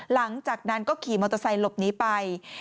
หลังจากนั้นก็ขี่มอเตอร์ไซค์หลบหนีไป